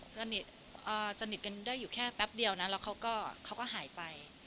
สนิทเอ่อสนิทกันได้อยู่แค่แป๊บเดียวนะแล้วเขาก็เขาก็หายไป